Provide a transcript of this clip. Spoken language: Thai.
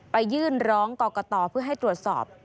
ไปยื่นร้องกรกตเพื่อให้ตรวจสอบ